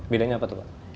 bidangnya apa itu pak